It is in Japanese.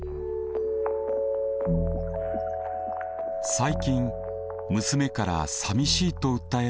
最近娘から「さみしい」と訴えられたドライブさん。